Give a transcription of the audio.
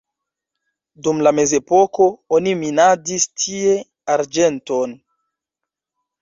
Dum la mezepoko oni minadis tie arĝenton.